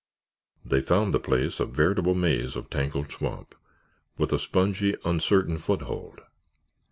They found the place a veritable maze of tangled swamp, with a spongy, uncertain foothold.